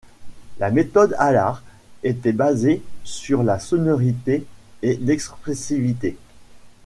La méthode Allard était basée sur la sonorité et l'expressivité.